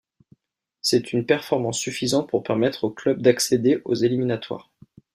C'est une performance suffisante pour permettre au club d'accéder aux éliminatoires.